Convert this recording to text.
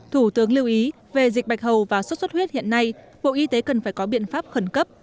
thủ tướng lưu ý về dịch bạch hầu và sốt xuất huyết hiện nay bộ y tế cần phải có biện pháp khẩn cấp